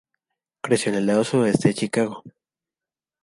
Creció en el lado suroeste de Chicago.